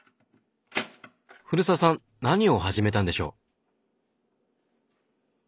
古澤さん何を始めたんでしょう？